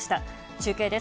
中継です。